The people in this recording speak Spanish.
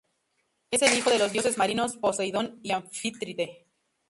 Es el hijo de los dioses marinos Poseidón y Anfítrite.